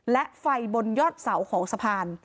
และไฟบนยอดเสาของสะพาน